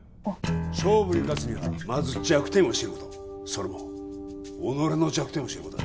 勝負に勝つにはまず弱点を知ることそれも己の弱点を知ることだ